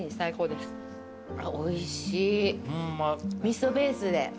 おいしい味噌ベースで。